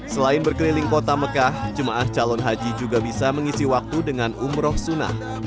selain berkeliling kota mekah jemaah calon haji juga bisa mengisi waktu dengan umroh sunnah